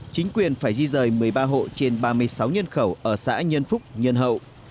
chính quyền phải di rời một mươi ba hộ trên ba mươi sáu nhân khẩu ở xã nhân phúc nhân hậu